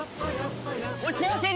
お幸せに！